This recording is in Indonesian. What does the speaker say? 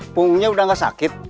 punggungnya udah gak sakit